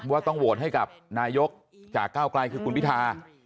ว่าต้องโหวตให้กับนายกจากก้าวไกลคือคุณพิธา